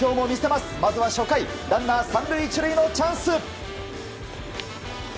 まずは初回ランナー３塁１塁のチャンス。